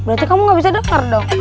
berarti kamu gak bisa daftar dong